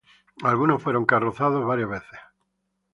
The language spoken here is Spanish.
Algunos fueron carrozados varias veces.